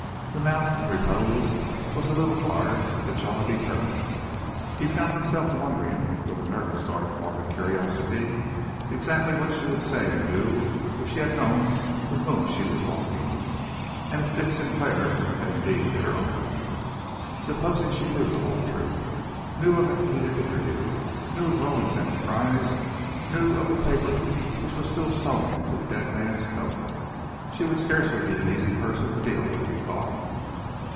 The mouth, in repose, was a little hard, the jaw determined. He found himself wondering, with a nervous sort of morbid curiosity, exactly what she would say and do if she had known with whom she was walking, and if Dick Sinclair had indeed been her uncle! Supposing she knew the whole truth, knew of that heated interview, knew of Rowan's enterprise, knew of the paper which was still sewn into the dead man's coat! She would scarcely be an easy person to deal with, he thought.